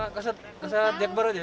kaset jakbar aja ya